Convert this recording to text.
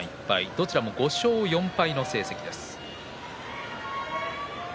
どちらも５勝４敗の成績です。